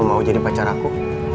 mau jadi pacar aku